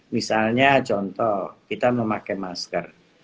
misalnya contoh kita memakai masker